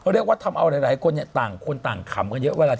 มีการทำอะไรเเบียบหลายคนต่างขำเงินเยอะ